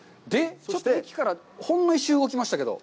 ちょっと駅からほんの一瞬動きましたけど。